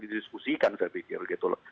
didiskusikan saya pikir gitu loh